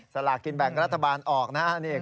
สลากกินแบ่งรัฐบาลออกนะครับ